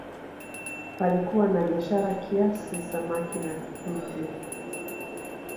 Palikuwa na biashara kiasi samaki na chumvi